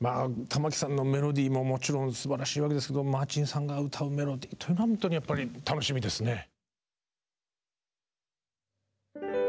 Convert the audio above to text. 玉置さんの「メロディー」ももちろんすばらしいわけですけどマーチンさんが歌う「メロディー」は本当にやっぱり楽しみですね。